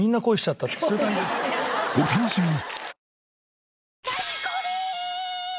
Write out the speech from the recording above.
お楽しみに！